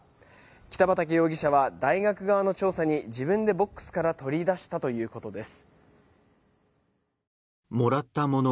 北畠容疑者は大学側の調査に自分でボックスから取り出したということです。